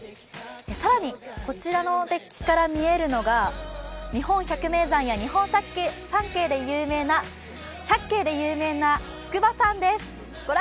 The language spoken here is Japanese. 更に、こちらのデッキから見えるのが日本百名山や日本百景で有名な筑波山です。